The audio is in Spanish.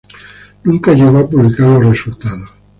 Nunca llegó a publicar los resultados.